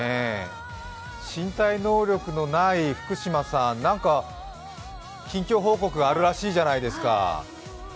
身体能力のない福島さん、何か近況報告があるらしいじゃないですか。